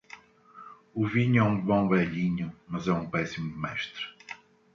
O vinho é um bom velhinho, mas é um péssimo mestre.